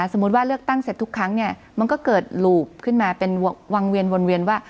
สมมุติว่าเลือกตั้งเสร็จทุกครั้งเนี่ยมันก็เกิดหลูบขึ้นมาเป็นวังเวียนวนเวียนว่า